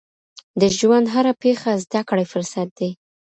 د ژوند هره پیښه زده کړې فرصت دی.